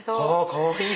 かわいい！